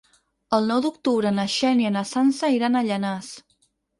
El nou d'octubre na Xènia i na Sança iran a Llanars.